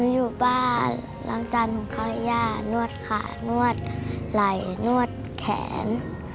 อยู่บ้านล้างจันทร์เขาให้ย่านวดขานวดไหล่นวดแขน